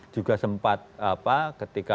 juga sempat ketika